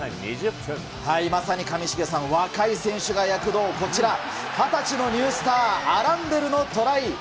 まさに上重さん、若い選手が躍動、こちら、２０歳のニュースター、アランデルのトライ。